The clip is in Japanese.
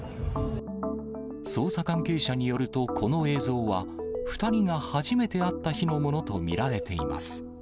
捜査関係者によると、この映像は、２人が初めて会った日のものと見られています。